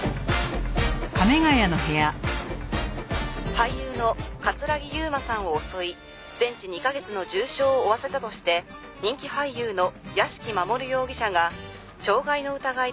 「俳優の城悠真さんを襲い全治２カ月の重傷を負わせたとして人気俳優の屋敷マモル容疑者が傷害の疑いで逮捕されました」